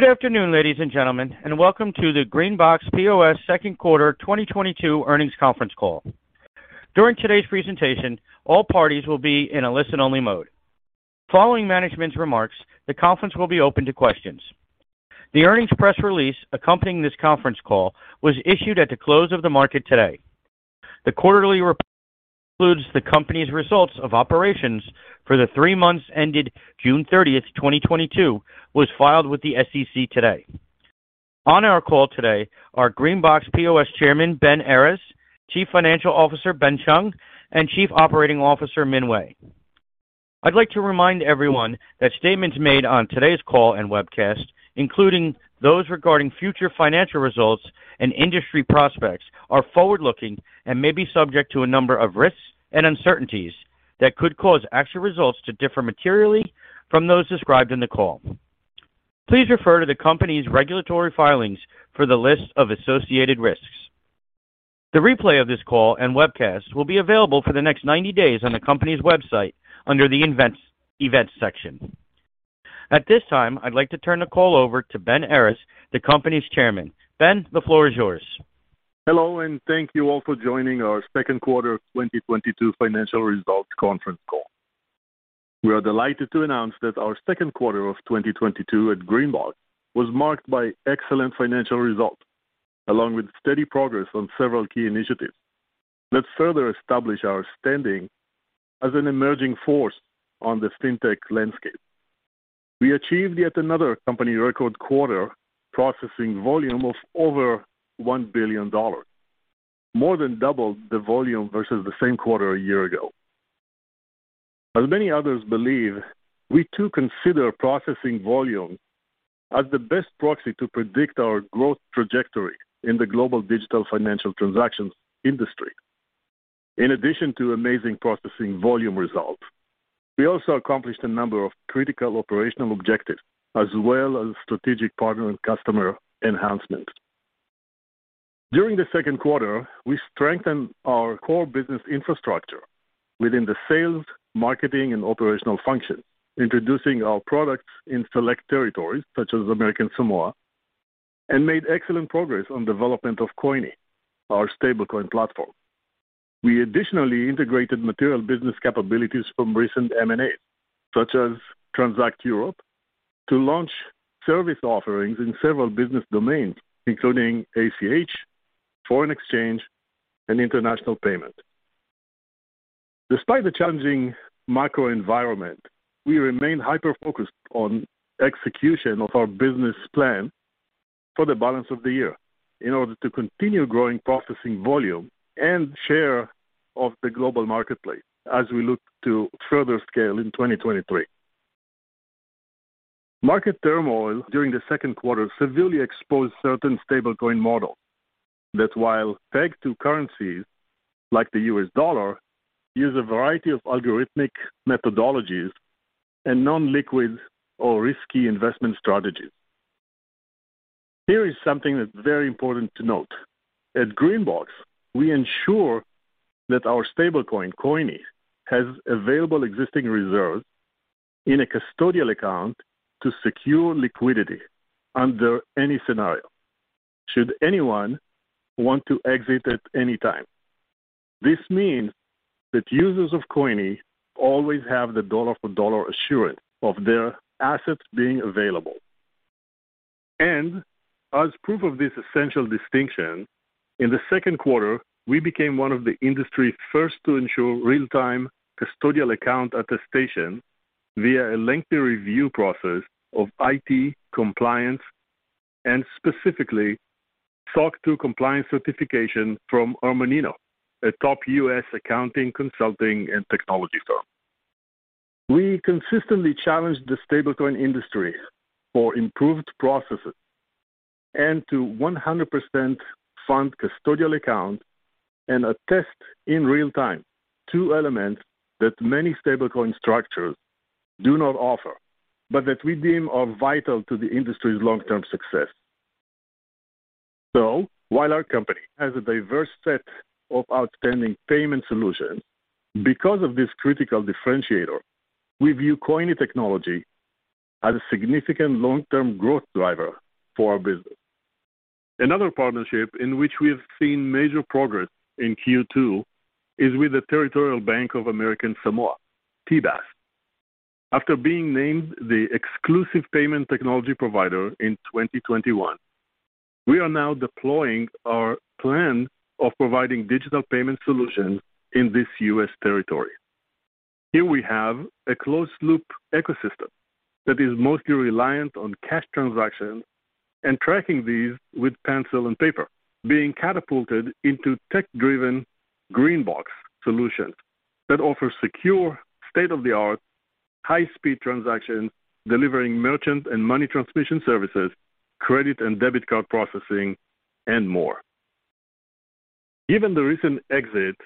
Good afternoon, ladies and gentlemen, and welcome to the GreenBox POS second quarter 2022 earnings conference call. During today's presentation, all parties will be in a listen-only mode. Following management's remarks, the conference will be open to questions. The earnings press release accompanying this conference call was issued at the close of the market today. The quarterly report includes the company's results of operations for the three months ended June 30, 2022, was filed with the SEC today. On our call today are GreenBox POS Chairman Ben Errez, Chief Financial Officer Benjamin Chung, and Chief Operating Officer Min Wei. I'd like to remind everyone that statements made on today's call and webcast, including those regarding future financial results and industry prospects, are forward-looking and may be subject to a number of risks and uncertainties that could cause actual results to differ materially from those described in the call. Please refer to the company's regulatory filings for the list of associated risks. The replay of this call and webcast will be available for the next 90 days on the company's website under the events section. At this time, I'd like to turn the call over to Ben Errez, the company's chairman. Ben, the floor is yours. Hello, and thank you all for joining our second quarter 2022 financial results conference call. We are delighted to announce that our second quarter of 2022 at GreenBox was marked by excellent financial results, along with steady progress on several key initiatives that further establish our standing as an emerging force on the fintech landscape. We achieved yet another company record quarter processing volume of over $1 billion, more than double the volume versus the same quarter a year ago. As many others believe, we too consider processing volume as the best proxy to predict our growth trajectory in the global digital financial transactions industry. In addition to amazing processing volume results, we also accomplished a number of critical operational objectives as well as strategic partner and customer enhancements. During the second quarter, we strengthened our core business infrastructure within the sales, marketing, and operational functions, introducing our products in select territories such as American Samoa, and made excellent progress on development of Coyni, our stablecoin platform. We additionally integrated material business capabilities from recent M&A, such as Transact Europe, to launch service offerings in several business domains, including ACH, foreign exchange, and international payment. Despite the challenging macro environment, we remain hyper-focused on execution of our business plan for the balance of the year in order to continue growing processing volume and share of the global marketplace as we look to further scale in 2023. Market turmoil during the second quarter severely exposed certain stablecoin models that while pegged to currencies like the US dollar, use a variety of algorithmic methodologies and non-liquid or risky investment strategies. Here is something that's very important to note. At GreenBox, we ensure that our stablecoin, Coyni, has available existing reserves in a custodial account to secure liquidity under any scenario should anyone want to exit at any time. This mean that users of Coyni always have the dollar for dollar assurance of their assets being available. As proof of this essential distinction, in the second quarter, we became one of the industry's first to ensure real-time custodial account attestation via a lengthy review process of IT compliance and specifically SOC 2 compliance certification from Armanino, a top U.S. accounting, consulting, and technology firm. We consistently challenge the stablecoin industry for improved processes and to 100% fund custodial account and attest in real time to elements that many stablecoin structures do not offer, but that we deem are vital to the industry's long-term success. While our company has a diverse set of outstanding payment solutions, because of this critical differentiator, we view Coyni technology as a significant long-term growth driver for our business. Another partnership in which we've seen major progress in Q2 is with the Territorial Bank of American Samoa, TBAS. After being named the exclusive payment technology provider in 2021, we are now deploying our plan of providing digital payment solutions in this U.S. territory. Here we have a closed loop ecosystem that is mostly reliant on cash transactions and tracking these with pencil and paper, being catapulted into tech-driven GreenBox solutions that offer secure state-of-the-art, high-speed transactions, delivering merchant and money transmission services, credit and debit card processing, and more. Given the recent exit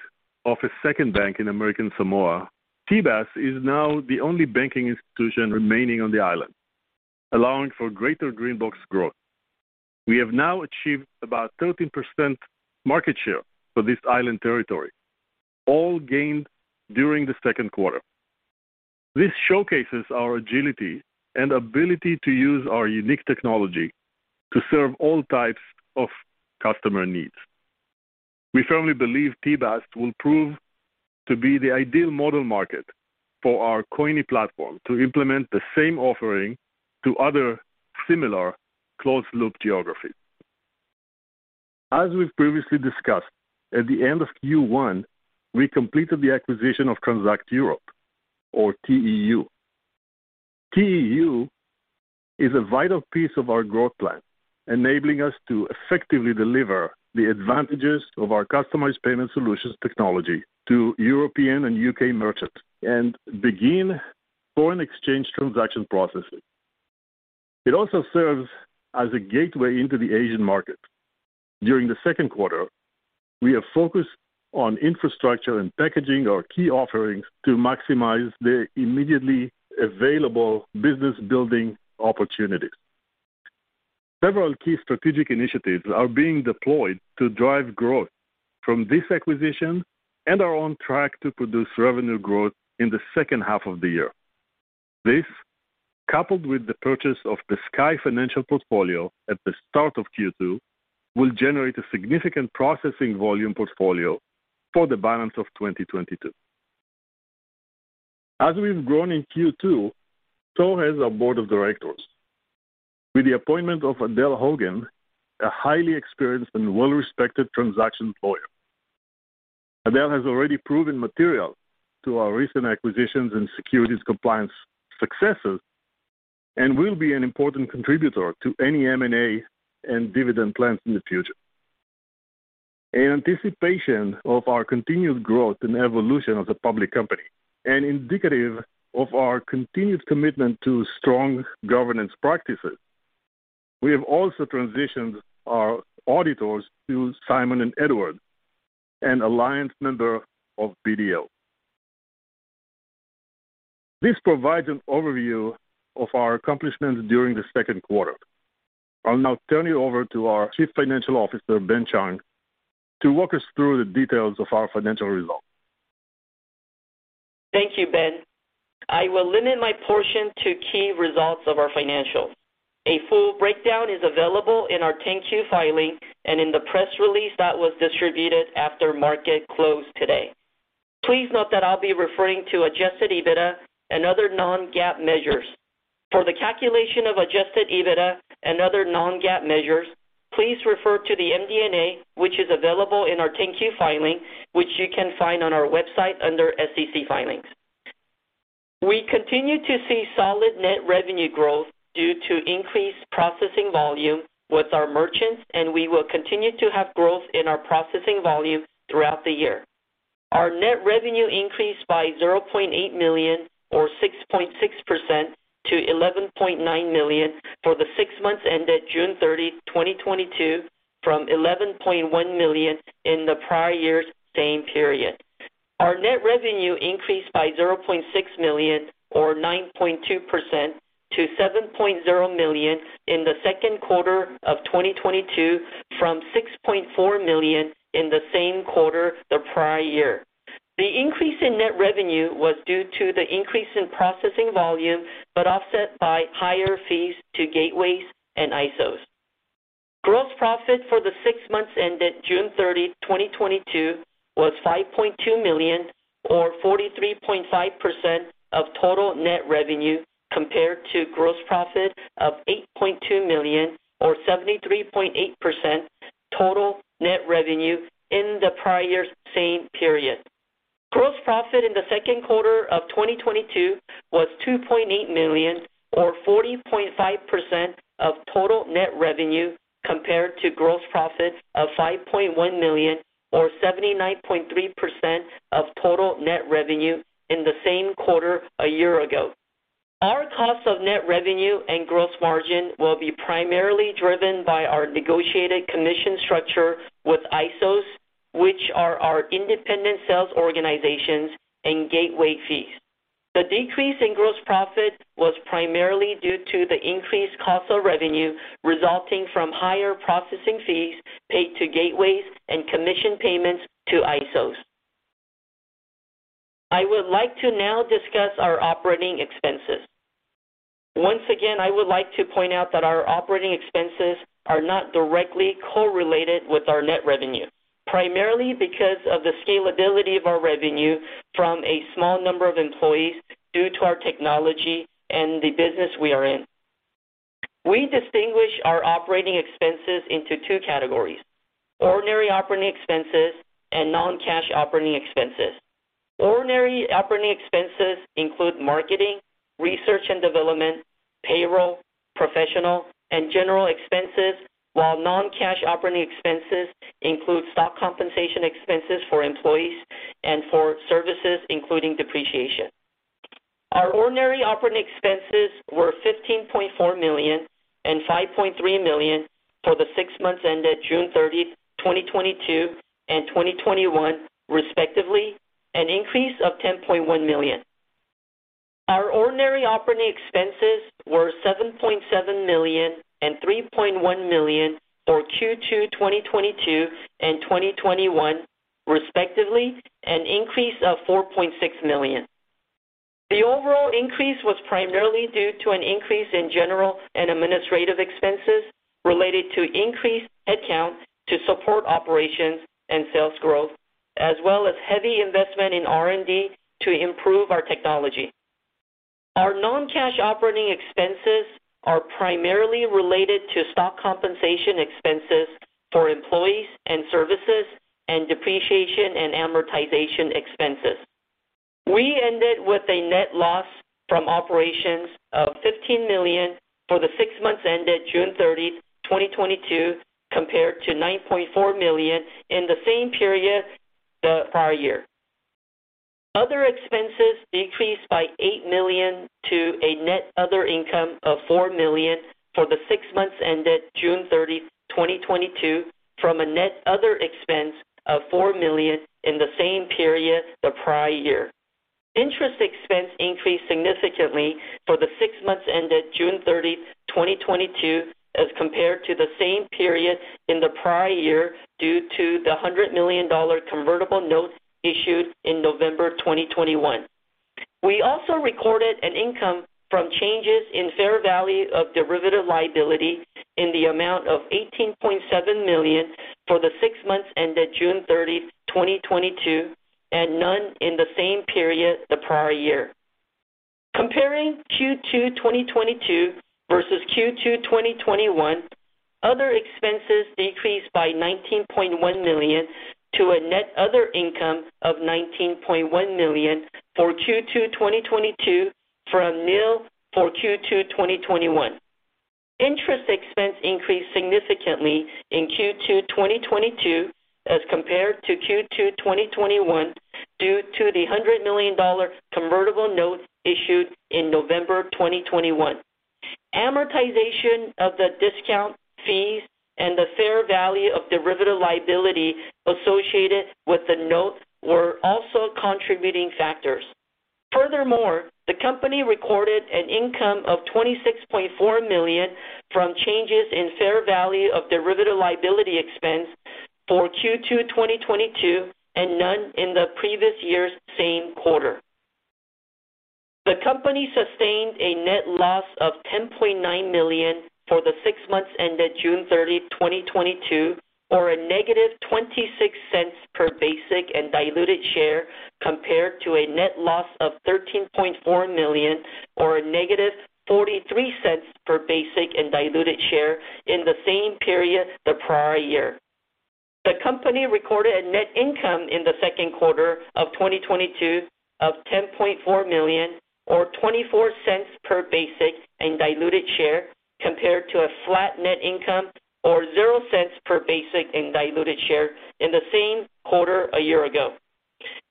of a second bank in American Samoa, TBAS is now the only banking institution remaining on the island, allowing for greater GreenBox growth. We have now achieved about 13% market share for this island territory, all gained during the second quarter. This showcases our agility and ability to use our unique technology to serve all types of customer needs. We firmly believe TBAS will prove to be the ideal model market for our Coyni platform to implement the same offering to other similar closed-loop geographies. As we've previously discussed, at the end of Q1, we completed the acquisition of Transact Europe, or TEU. TEU is a vital piece of our growth plan, enabling us to effectively deliver the advantages of our customized payment solutions technology to European and UK merchants and begin foreign exchange transaction processing. It also serves as a gateway into the Asian market. During the second quarter, we have focused on infrastructure and packaging our key offerings to maximize the immediately available business-building opportunities. Several key strategic initiatives are being deployed to drive growth from this acquisition and are on track to produce revenue growth in the second half of the year. This, coupled with the purchase of the Sky Financial portfolio at the start of Q2, will generate a significant processing volume portfolio for the balance of 2022. As we've grown in Q2, so has our board of directors, with the appointment of Adele Hogan, a highly experienced and well-respected transactions lawyer. Adele has already proven material to our recent acquisitions and securities compliance successes and will be an important contributor to any M&A and dividend plans in the future. In anticipation of our continued growth and evolution as a public company and indicative of our continued commitment to strong governance practices, we have also transitioned our auditors to Simon and Edward, an alliance member of BDO. This provides an overview of our accomplishments during the second quarter. I'll now turn you over to our Chief Financial Officer, Ben Chung, to walk us through the details of our financial results. Thank you, Ben. I will limit my portion to key results of our financials. A full breakdown is available in our 10-Q filing and in the press release that was distributed after market close today. Please note that I'll be referring to adjusted EBITDA and other non-GAAP measures. For the calculation of adjusted EBITDA and other non-GAAP measures, please refer to the MD&A, which is available in our 10-Q filing, which you can find on our website under SEC Filings. We continue to see solid net revenue growth due to increased processing volume with our merchants, and we will continue to have growth in our processing volume throughout the year. Our net revenue increased by $0.8 million or 6.6% to $11.9 million for the six months ended June 30, 2022, from $11.1 million in the prior year's same period. Our net revenue increased by $0.6 million or 9.2% to $7.0 million in the second quarter of 2022 from $6.4 million in the same quarter the prior year. The increase in net revenue was due to the increase in processing volume, but offset by higher fees to gateways and ISOs. Gross profit for the six months ended June 30, 2022 was $5.2 million or 43.5% of total net revenue compared to gross profit of $8.2 million or 73.8% total net revenue in the prior year's same period. Gross profit in the second quarter of 2022 was $2.8 million or 40.5% of total net revenue compared to gross profit of $5.1 million or 79.3% of total net revenue in the same quarter a year ago. Our cost of net revenue and gross margin will be primarily driven by our negotiated commission structure with ISOs, which are our independent sales organizations and gateway fees. The decrease in gross profit was primarily due to the increased cost of revenue resulting from higher processing fees paid to gateways and commission payments to ISOs. I would like to now discuss our operating expenses. Once again, I would like to point out that our operating expenses are not directly correlated with our net revenue, primarily because of the scalability of our revenue from a small number of employees due to our technology and the business we are in. We distinguish our operating expenses into two categories, ordinary operating expenses and non-cash operating expenses. Ordinary operating expenses include marketing, research and development, payroll, professional, and general expenses, while non-cash operating expenses include stock compensation expenses for employees and for services, including depreciation. Our ordinary operating expenses were $15.4 million and $5.3 million for the six months ended June 30, 2022 and 2021, respectively, an increase of $10.1 million. Our ordinary operating expenses were $7.7 million and $3.1 million for Q2 2022 and 2021 respectively, an increase of $4.6 million. The overall increase was primarily due to an increase in general and administrative expenses related to increased headcount to support operations and sales growth, as well as heavy investment in R&D to improve our technology. Our non-cash operating expenses are primarily related to stock compensation expenses for employees and services and depreciation and amortization expenses. We ended with a net loss from operations of $15 million for the six months ended June 30, 2022, compared to $9.4 million in the same period the prior year. Other expenses decreased by $8 million to a net other income of $4 million for the six months ended June 30, 2022, from a net other expense of $4 million in the same period the prior year. Interest expense increased significantly for the six months ended June 30, 2022, as compared to the same period in the prior year, due to the $100 million convertible notes issued in November 2021. We also recorded an income from changes in fair value of derivative liability in the amount of $18.7 million for the six months ended June 30, 2022, and none in the same period the prior year. Comparing Q2 2022 versus Q2 2021, other expenses decreased by $19.1 million to a net other income of $19.1 million for Q2 2022 from nil for Q2 2021. Interest expense increased significantly in Q2 2022 as compared to Q2 2021 due to the $100 million convertible notes issued in November 2021. Amortization of the discount fees and the fair value of derivative liability associated with the notes were also contributing factors. Furthermore, the company recorded an income of $26.4 million from changes in fair value of derivative liability expense for Q2 2022 and none in the previous year's same quarter. The company sustained a net loss of $10.9 million for the six months ended June thirtieth, 2022, or a -$0.26 per basic and diluted share compared to a net loss of $13.4 million or a -$0.43 per basic and diluted share in the same period the prior year. The company recorded a net income in the second quarter of 2022 of $10.4 million or $0.24 per basic and diluted share, compared to a flat net income or zero cents per basic and diluted share in the same quarter a year ago.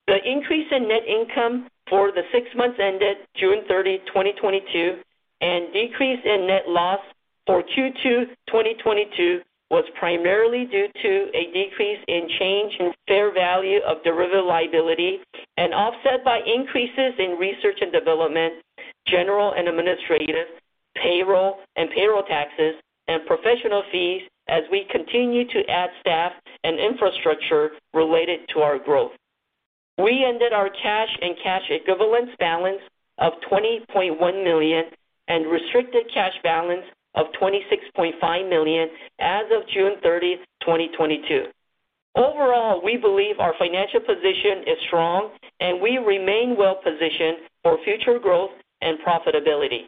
The increase in net income for the six months ended June 30, 2022, and decrease in net loss for Q2 2022 was primarily due to a decrease in change in fair value of derivative liability and offset by increases in research and development, general and administrative, payroll and payroll taxes, and professional fees as we continue to add staff and infrastructure related to our growth. We ended our cash and cash equivalents balance of $20.1 million and restricted cash balance of $26.5 million as of June 30, 2022. Overall, we believe our financial position is strong and we remain well positioned for future growth and profitability.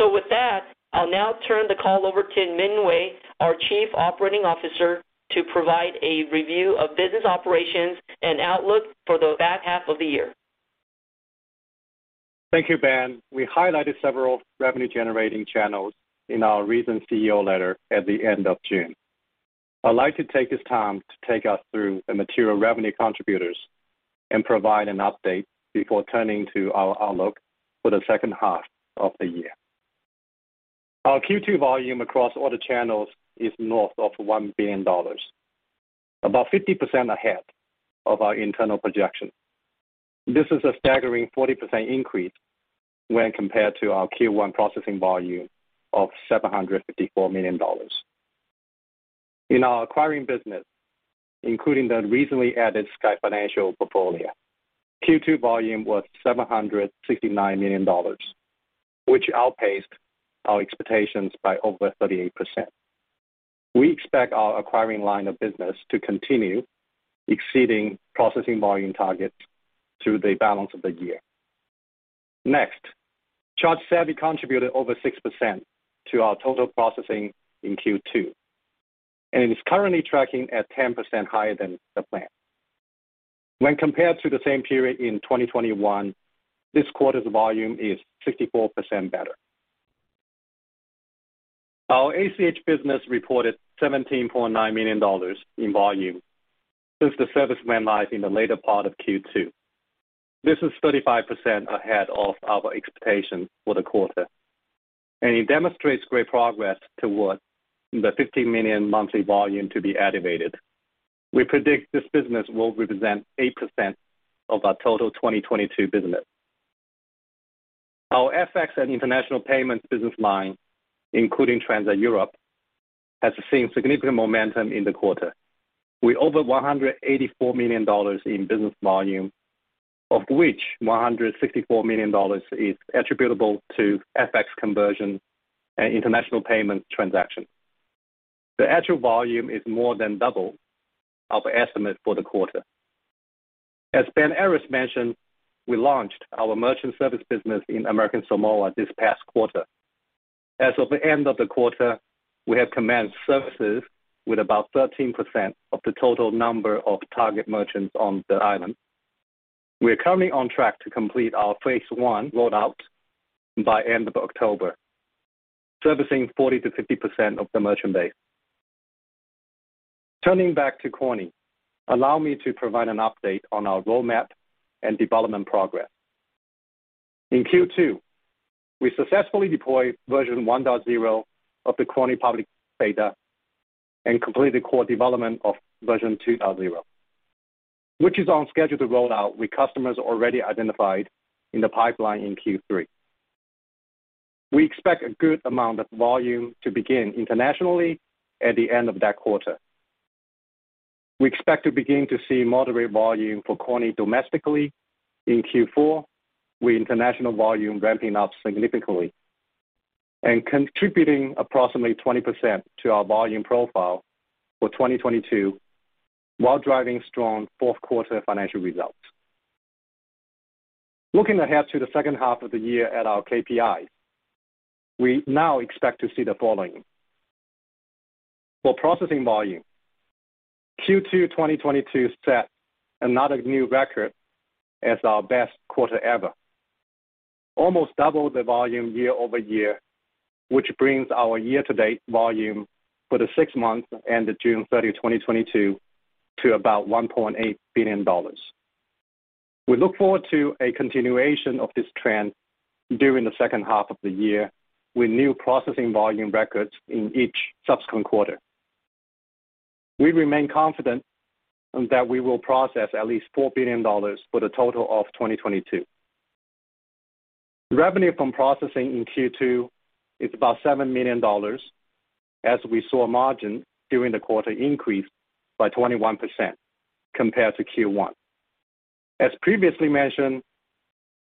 With that, I'll now turn the call over to Min Wei, our Chief Operating Officer, to provide a review of business operations and outlook for the back half of the year. Thank you, Ben. We highlighted several revenue-generating channels in our recent CEO letter at the end of June. I'd like to take this time to take us through the material revenue contributors and provide an update before turning to our outlook for the second half of the year. Our Q2 volume across all the channels is north of $1 billion, about 50% ahead of our internal projection. This is a staggering 40% increase when compared to our Q1 processing volume of $754 million. In our acquiring business, including the recently added Sky Financial portfolio, Q2 volume was $769 million, which outpaced our expectations by over 38%. We expect our acquiring line of business to continue exceeding processing volume targets through the balance of the year. Next, ChargeSavvy contributed over 6% to our total processing in Q2, and it is currently tracking at 10% higher than the plan. When compared to the same period in 2021, this quarter's volume is 64% better. Our ACH business reported $17.9 million in volume since the service went live in the later part of Q2. This is 35% ahead of our expectation for the quarter. It demonstrates great progress towards the $50 million monthly volume to be activated. We predict this business will represent 8% of our total 2022 business. Our FX and international payments business line, including Transact Europe, has seen significant momentum in the quarter. With over $184 million in business volume, of which $164 million is attributable to FX conversion and international payment transaction. The actual volume is more than double our estimate for the quarter. As Ben Errez mentioned, we launched our merchant service business in American Samoa this past quarter. As of the end of the quarter, we have commenced services with about 13% of the total number of target merchants on the island. We are currently on track to complete our phase one rollout by end of October, servicing 40%-50% of the merchant base. Turning back to Coyni, allow me to provide an update on our roadmap and development progress. In Q2, we successfully deployed version 1.0 of the Coyni public beta and completed core development of version 2.0, which is on schedule to roll out with customers already identified in the pipeline in Q3. We expect a good amount of volume to begin internationally at the end of that quarter. We expect to begin to see moderate volume for Coyni domestically in Q4, with international volume ramping up significantly and contributing approximately 20% to our volume profile for 2022, while driving strong fourth quarter financial results. Looking ahead to the second half of the year at our KPI, we now expect to see the following. For processing volume, Q2 2022 set another new record as our best quarter ever. Almost double the volume year over year, which brings our year-to-date volume for the six months ended June 30, 2022 to about $1.8 billion. We look forward to a continuation of this trend during the second half of the year with new processing volume records in each subsequent quarter. We remain confident that we will process at least $4 billion for the total of 2022. Revenue from processing in Q2 is about $7 million, as we saw margin during the quarter increase by 21% compared to Q1. As previously mentioned,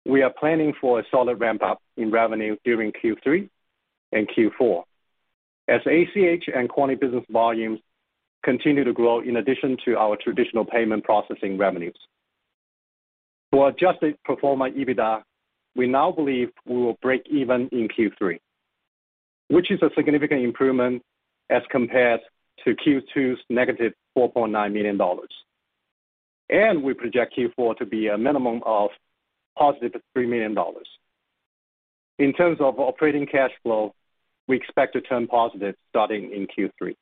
we are planning for a solid ramp-up in revenue during Q3 and Q4 as ACH and Coyni business volumes continue to grow in addition to our traditional payment processing revenues. For adjusted pro forma EBITDA, we now believe we will break even in Q3, which is a significant improvement as compared to Q2's negative $4.9 million. We project Q4 to be a minimum of positive $3 million. In terms of operating cash flow, we expect to turn positive starting in Q3.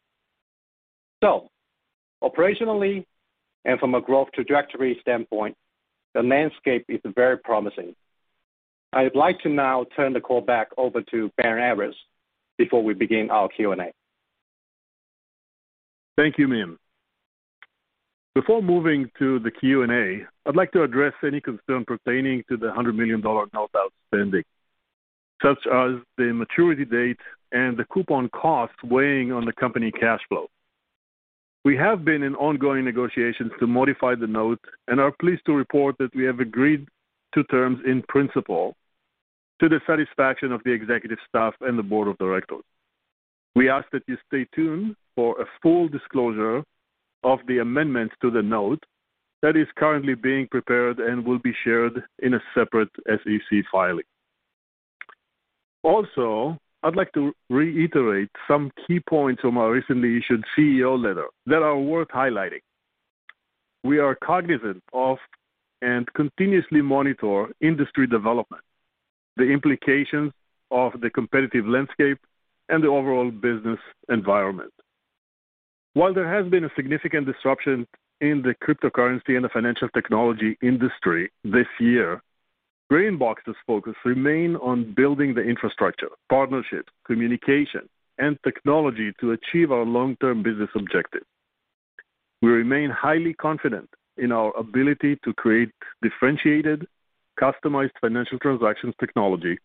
Operationally and from a growth trajectory standpoint, the landscape is very promising. I'd like to now turn the call back over to Ben Errez before we begin our Q&A. Thank you, Min. Before moving to the Q&A, I'd like to address any concern pertaining to the $100 million note outstanding, such as the maturity date and the coupon cost weighing on the company cash flow. We have been in ongoing negotiations to modify the note and are pleased to report that we have agreed to terms in principle to the satisfaction of the executive staff and the board of directors. We ask that you stay tuned for a full disclosure of the amendments to the note that is currently being prepared and will be shared in a separate SEC filing. Also, I'd like to reiterate some key points from our recently issued CEO letter that are worth highlighting. We are cognizant of and continuously monitor industry development, the implications of the competitive landscape, and the overall business environment. While there has been a significant disruption in the cryptocurrency and the financial technology industry this year, GreenBox's focus remains on building the infrastructure, partnerships, communication, and technology to achieve our long-term business objective. We remain highly confident in our ability to create differentiated, customized financial transactions technology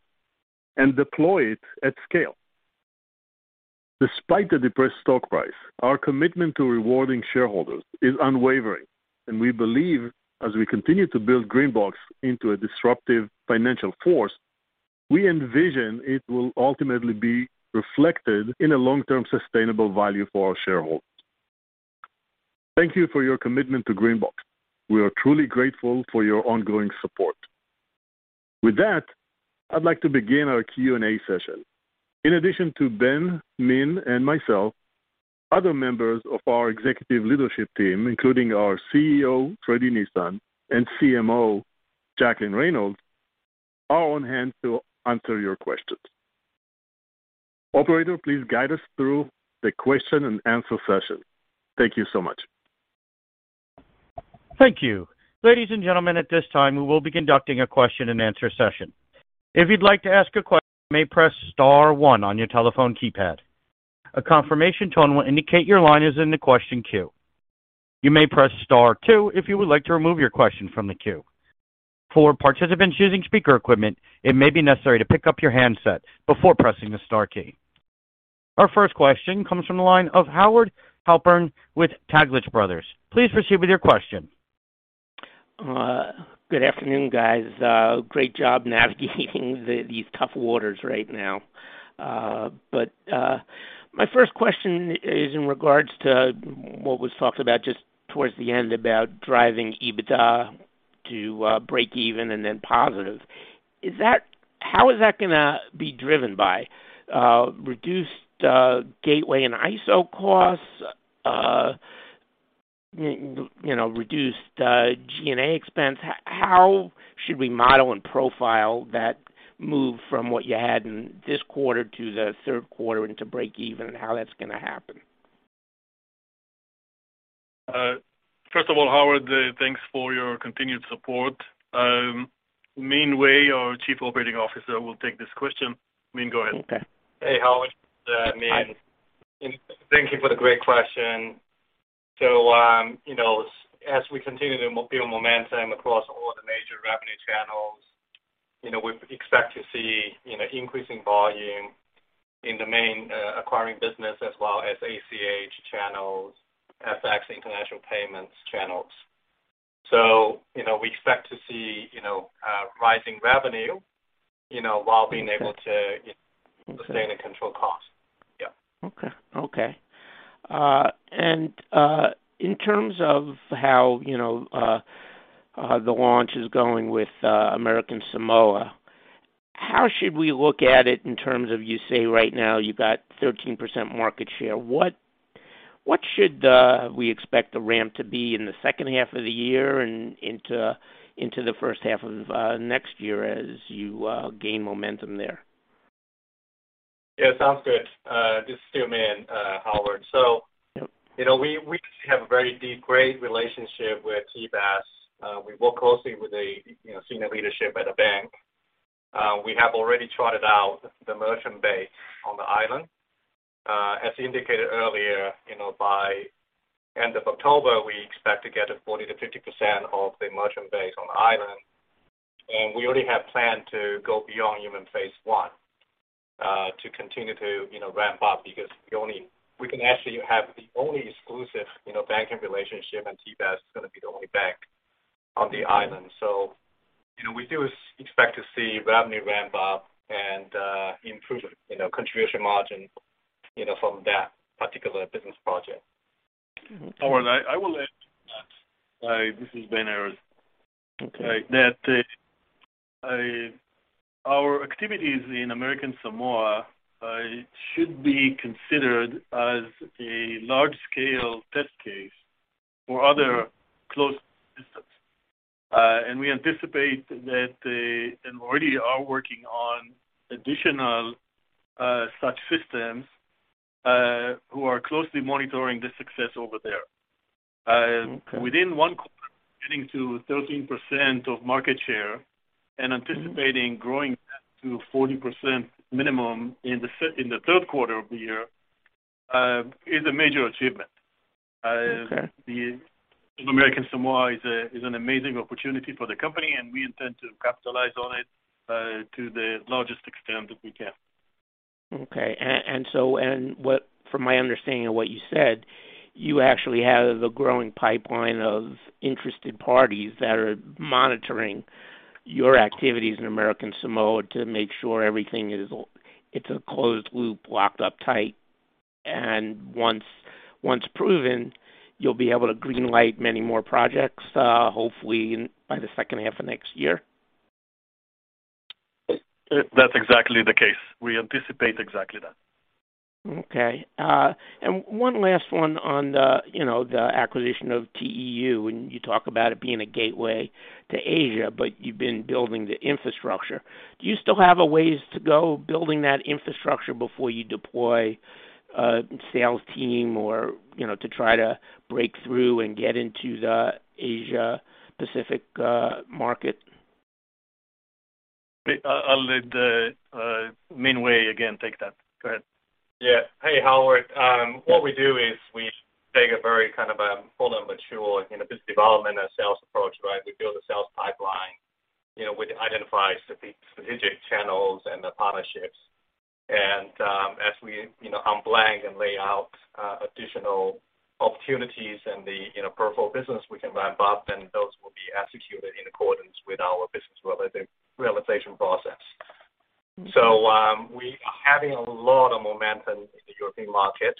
and deploy it at scale. Despite the depressed stock price, our commitment to rewarding shareholders is unwavering, and we believe as we continue to build GreenBox into a disruptive financial force, we envision it will ultimately be reflected in a long-term sustainable value for our shareholders. Thank you for your commitment to GreenBox. We are truly grateful for your ongoing support. With that, I'd like to begin our Q&A session. In addition to Ben, Min, and myself, other members of our executive leadership team, including our CEO, Fredi Nisan, and CMO, Jacqueline B. Reynolds, are on hand to answer your questions. Operator, please guide us through the question and answer session. Thank you so much. Thank you. Ladies and gentlemen, at this time, we will be conducting a question and answer session. If you'd like to ask a question, you may press star one on your telephone keypad. A confirmation tone will indicate your line is in the question queue. You may press star two if you would like to remove your question from the queue. For participants using speaker equipment, it may be necessary to pick up your handset before pressing the star key. Our first question comes from the line of Howard Halpern with Taglich Brothers. Please proceed with your question. Good afternoon, guys. Great job navigating these tough waters right now. My first question is in regards to what was talked about just towards the end about driving EBITDA to break even and then positive. How is that gonna be driven by reduced gateway and ISO costs, you know, reduced G&A expense? How should we model and profile that move from what you had in this quarter to the third quarter into break even, and how that's gonna happen? First of all, Howard, thanks for your continued support. Min Wei, our Chief Operating Officer, will take this question. Min, go ahead. Okay. Hey, Howard. Min. Hi. Thank you for the great question. You know, as we continue to build momentum across all the major revenue channels, you know, we expect to see, you know, increasing volume in the main, acquiring business as well as ACH channels, FX international payments channels. You know, we expect to see, you know, rising revenue, you know, while being able to sustain and control costs. Yeah. Okay. In terms of how, you know, the launch is going with American Samoa, how should we look at it in terms of, you say right now you've got 13% market share. What should we expect the ramp to be in the second half of the year and into the first half of next year as you gain momentum there? Yeah, sounds good. This is Min, Howard. You know, we have a very deep, great relationship with TBAS. We work closely with, you know, senior leadership at a bank. We have already trotted out the merchant base on the island. As indicated earlier, you know, by end of October, we expect to get 40%-50% of the merchant base on the island. We already have planned to go beyond even phase one to continue to, you know, ramp up because we can actually have the only exclusive, you know, banking relationship, and TBAS is gonna be the only bank on the island. You know, we do expect to see revenue ramp up and improve, you know, contribution margin, you know, from that particular business project. Mm-hmm. Howard, I will add to that. This is Ben Errez. Okay. That our activities in American Samoa should be considered as a large-scale test case for other closed systems. We already are working on additional such systems who are closely monitoring the success over there. Okay. Within one quarter, getting to 13% of market share and anticipating growing that to 40% minimum in the third quarter of the year is a major achievement. Okay. The American Samoa is an amazing opportunity for the company, and we intend to capitalize on it to the largest extent that we can. From my understanding of what you said, you actually have a growing pipeline of interested parties that are monitoring your activities in American Samoa to make sure everything is a closed loop locked up tight. Once proven, you'll be able to green light many more projects, hopefully in by the second half of next year. That's exactly the case. We anticipate exactly that. Okay. One last one on the, you know, the acquisition of TEU, and you talk about it being a gateway to Asia, but you've been building the infrastructure. Do you still have a ways to go building that infrastructure before you deploy a sales team or, you know, to try to break through and get into the Asia Pacific market? I'll let Min Wei again take that. Go ahead. Yeah. Hey, Howard. What we do is we take a very kind of a full and mature, you know, business development and sales approach, right? We build a sales pipeline, you know, we identify strategic channels and the partnerships. As we, you know, unpack and lay out additional opportunities and the, you know, profile business we can ramp up, then those will be executed in accordance with our business realization process. We are having a lot of momentum in the European market.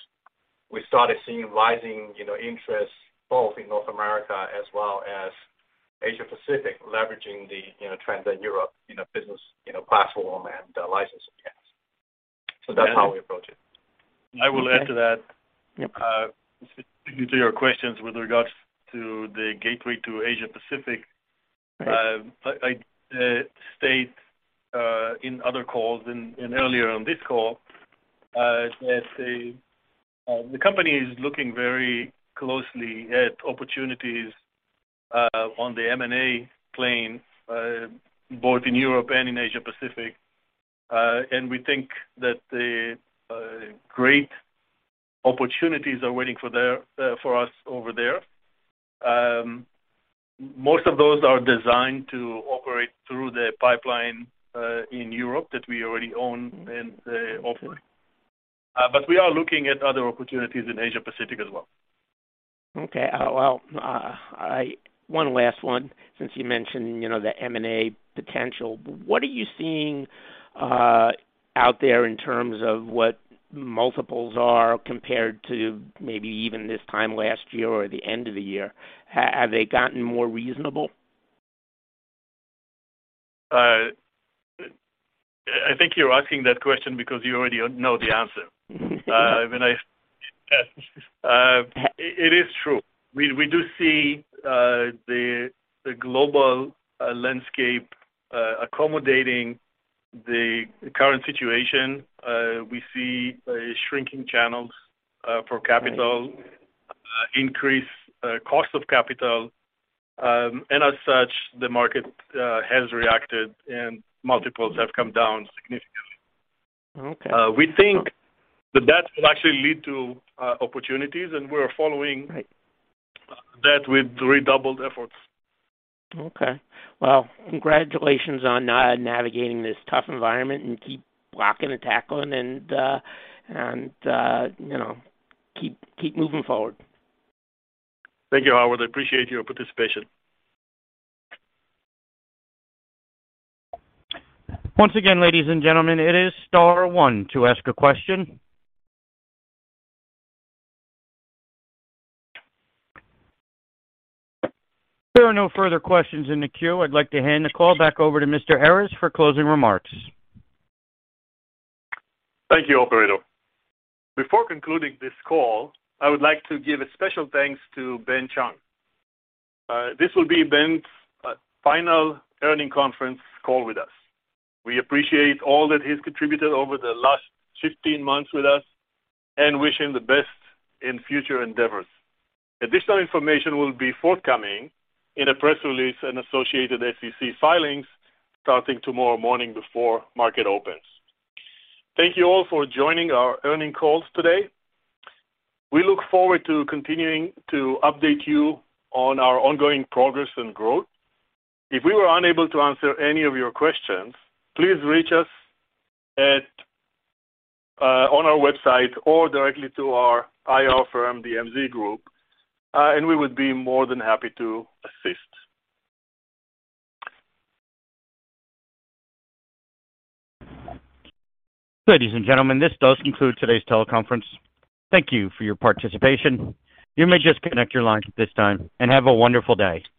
We started seeing rising, you know, interest both in North America as well as Asia Pacific, leveraging the, you know, trends in Europe in a business, you know, platform and license, I guess. That's how we approach it. I will add to that. Okay. To your questions with regards to the gateway to Asia Pacific. I state in other calls and earlier on this call, let's say, the company is looking very closely at opportunities on the M&A lane both in Europe and in Asia Pacific. We think that the great opportunities are waiting for us over there. Most of those are designed to operate through the pipeline in Europe that we already own and offer. We are looking at other opportunities in Asia Pacific as well. One last one, since you mentioned, you know, the M&A potential. What are you seeing out there in terms of what multiples are compared to maybe even this time last year or the end of the year? Have they gotten more reasonable? I think you're asking that question because you already know the answer. Yes. It is true. We do see the global landscape accommodating the current situation. We see shrinking channels for capital, increase cost of capital, and as such, the market has reacted and multiples have come down significantly. Okay. We think that will actually lead to opportunities, and we're following. Right. that with redoubled efforts. Okay. Well, congratulations on navigating this tough environment, and keep blocking and tackling and, you know, keep moving forward. Thank you, Howard. I appreciate your participation. Once again, ladies and gentlemen, it is star one to ask a question. If there are no further questions in the queue, I'd like to hand the call back over to Mr. Errez for closing remarks. Thank you, operator. Before concluding this call, I would like to give a special thanks to Benjamin Chung. This will be Ben's final earnings conference call with us. We appreciate all that he's contributed over the last 15 months with us and wish him the best in future endeavors. Additional information will be forthcoming in a press release and associated SEC filings starting tomorrow morning before market opens. Thank you all for joining our earnings calls today. We look forward to continuing to update you on our ongoing progress and growth. If we were unable to answer any of your questions, please reach us at on our website or directly to our IR firm, DMZ Group, and we would be more than happy to assist. Ladies and gentlemen, this does conclude today's teleconference. Thank you for your participation. You may just disconnect your lines at this time, and have a wonderful day.